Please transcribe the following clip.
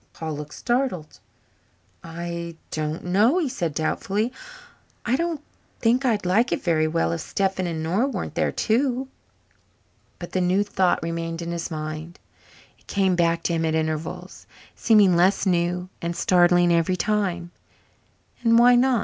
Paul looked startled. "I don't know," he said doubtfully. "I don't think I'd like it very well if Stephen and Nora weren't there too." But the new thought remained in his mind. It came back to him at intervals, seeming less new and startling every time. "And why not?"